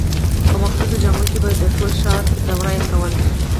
په مخصوصو جامو کې به د ټول ښار دوره کوله.